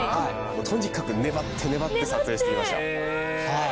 とにかく粘って粘って撮影してきました。